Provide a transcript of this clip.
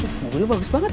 oh mobilnya bagus banget ya